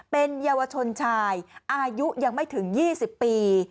เป็นเยาวชนชายอายุยังไม่ถึง๒๐ปี